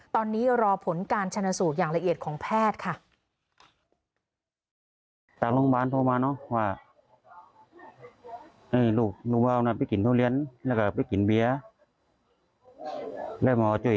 ตอนนี้รอผลการชนะสูตรอย่างละเอียดของแพทย์ค่ะ